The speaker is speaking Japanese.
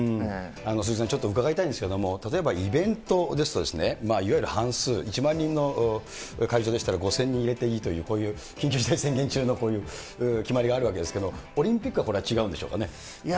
鈴木さん、ちょっと伺いたいんですけれども、例えばイベントですとね、いわゆる半数、１万人の会場でしたら５０００人入れていいという、こういう緊急事態宣言中の、こういう決まりがあるわけですけれども、オリンピックはこれは違うんでしょうかね。